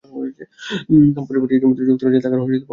পরিবারটি ইতিমধ্যে যুক্তরাজ্যে থাকার অনুমতি পেয়ে গেছে।